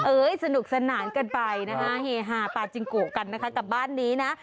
สนุกสนานกันไปนะฮะเฮฮาปาจิงโกะกันนะคะกับบ้านนี้นะ